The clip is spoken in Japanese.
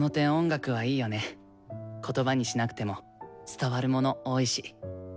言葉にしなくても伝わるもの多いし。